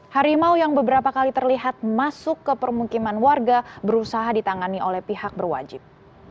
harimau yang beberapa kali terlihat masuk ke permukiman warga berusaha ditangani oleh pihak berwajib